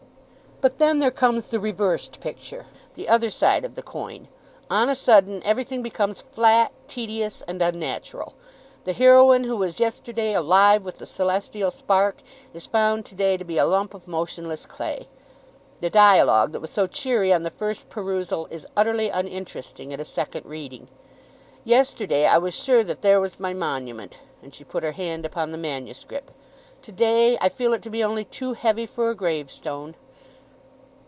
"But then there comes the reversed picture, the other side of the coin. On a sudden everything becomes flat, tedious, and unnatural. The heroine who was yesterday alive with the celestial spark is found to day to be a lump of motionless clay. The dialogue that was so cheery on the first perusal is utterly uninteresting at a second reading. Yesterday I was sure that there was my monument," and she put her hand upon the manuscript; "to day I feel it to be only too heavy for a gravestone!"